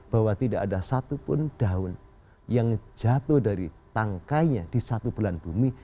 bahwa tidak ada satupun daun yang jatuh dari tangkainya di satu bulan bumi